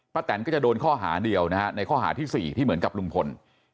แตนก็จะโดนข้อหาเดียวนะฮะในข้อหาที่๔ที่เหมือนกับลุงพล